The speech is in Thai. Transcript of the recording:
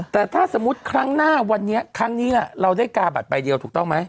แต่ถ้าสมมุติครั้งหน้าวันนี้ครั้งนี้เราได้กาบัตรใบเดียวถูกต้องไหม